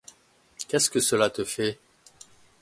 Qu'est-ce que cela te fait?